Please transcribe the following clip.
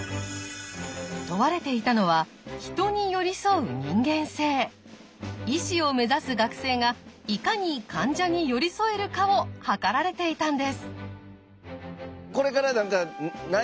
問われていたのは医師を目指す学生がいかに患者に寄り添えるかを測られていたんです。